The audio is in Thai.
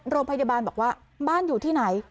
โรงพยาบาลบอกว่าบ้านอยู่ที่ไหน